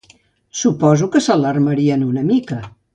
Suposo que s'alarmarien una mica.